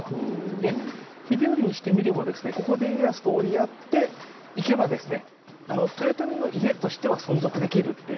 で秀頼にしてみてもここで家康と折り合っていけば豊臣の家としては存続できるっていう。